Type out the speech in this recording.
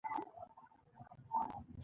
د انسان بدن د طبیعت یوه نازکه هنداره ده.